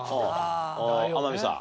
天海さん。